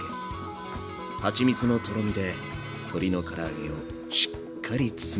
はちみつのとろみで鶏のから揚げをしっかり包み込んでくれるよ